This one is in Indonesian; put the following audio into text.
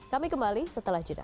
kami kembali setelah jeda